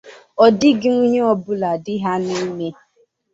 Ọ dịghị unyi ọbụla dị ha n’ime